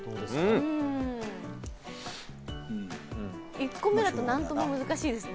１個目だと、何とも難しいですね。